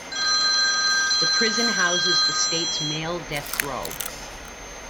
The prison houses the state's male death row.